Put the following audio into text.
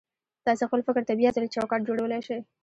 تاسې خپل فکر ته بيا ځلې چوکاټ جوړولای شئ.